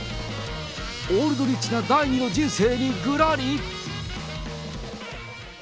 オールドリッチな第２の人生にぐらり？